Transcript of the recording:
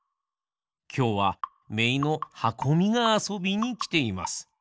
きょうはめいのはこみがあそびにきています。